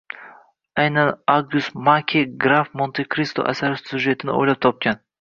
Aynan Ogyust Make “Graf Monte Kristo” asari syujetini o‘ylab topgan.